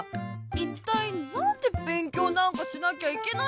いったいなんでべんきょうなんかしなきゃいけないのさ！